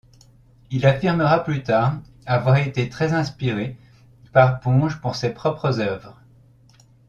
Il affirmera plus tard avoir été très inspiré par Ponge pour ses propres œuvres.